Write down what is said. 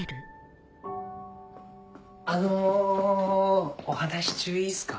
あのお話し中いいっすか？